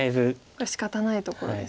これしかたないところですか。